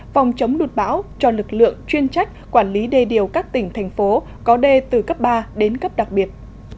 phòng chống lụt bão cho lực lượng chuyên trách quản lý đê điều các tỉnh thành phố có đê từ cấp ba đến cấp đặc biệt